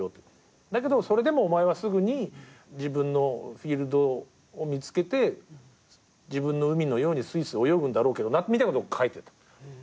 「だけどそれでもお前はすぐに自分のフィールドを見つけて自分の海のようにすいすい泳ぐんだろうけどな」って書いてた。